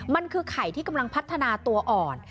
มันคือไข่ที่กำลังพัฒนาตัวอ่อน